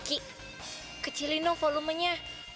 ki kecilin dong volumenya